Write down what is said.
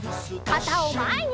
かたをまえに！